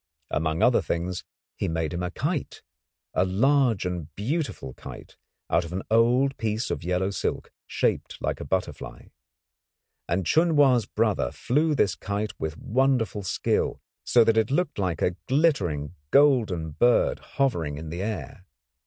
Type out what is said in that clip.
Among other things he made him a kite a large and beautiful kite out of an old piece of yellow silk, shaped like a butterfly. And Chun Wa's brother flew this kite with wonderful skill, so that it looked like a glittering golden bird hovering in the air.